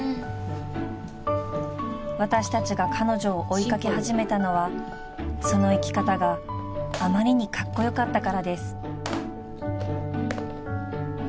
［私たちが彼女を追い掛け始めたのはその生き方があまりにカッコ良かったからです］